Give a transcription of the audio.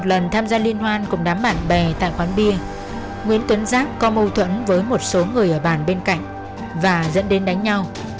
lần tham gia liên hoan cùng đám bạn bè tại quán bia nguyễn tuấn giáp có mâu thuẫn với một số người ở bàn bên cạnh và dẫn đến đánh nhau